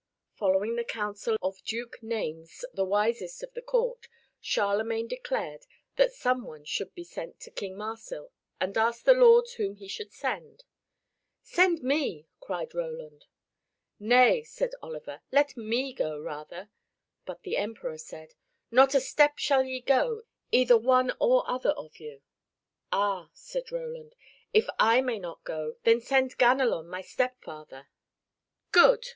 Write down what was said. Following the counsel of Duke Naimes the wisest of the court, Charlemagne declared that some one should be sent to King Marsil and asked the lords whom he should send. "Send me," cried Roland. "Nay," said Oliver, "let me go rather." But the Emperor said, "Not a step shall ye go, either one or other of you." "Ah!" said Roland, "if I may not go, then send Ganelon my stepfather." "Good!"